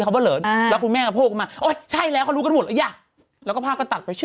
ใครรึคะมาร้องมิเธศครับผมมีเทศก่อน